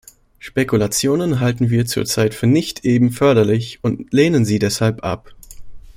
Spekulationen halten wir zur Zeit für nicht eben förderlich und lehnen sie deshalb ab.